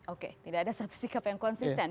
oke tidak ada satu sikap yang konsisten